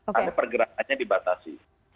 karena pergerakannya dibatasi